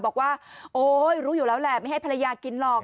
บอกว่าโอ๊ยรู้อยู่แล้วแหละไม่ให้ภรรยากินหรอก